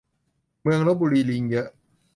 เมืองลพบุรีลิงเยอะ